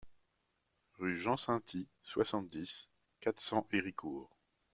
Rue Jean Sainty, soixante-dix, quatre cents Héricourt